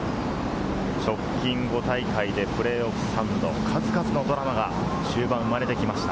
直近５大会でプレーオフ３度、数々のドラマが終盤生まれてきました、